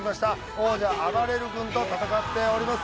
王者あばれる君と戦っております